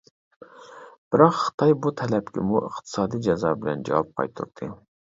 بىراق خىتاي بۇ تەلەپكىمۇ ئىقتىسادىي جازا بىلەن جاۋاب قايتۇردى.